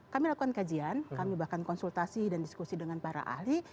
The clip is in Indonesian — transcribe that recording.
kami lakukan kajian kami bahkan konsultasi dan diskusi dengan para ahli